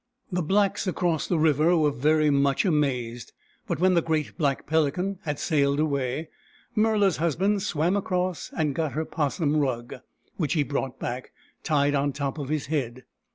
The blacks across the river were very much amazed. But when the great black Pelican had sailed away, Murla's husband swam across and got her 'possum rug, which he brought back, tied on top of his head.